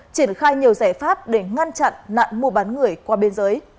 triển khai nhiều giải pháp để ngăn chặn nạn mua bán người qua biên giới